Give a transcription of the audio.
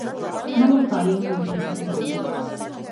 На лотарија може и да се добие.